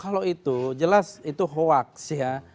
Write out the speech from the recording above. kalau itu jelas itu hoaks ya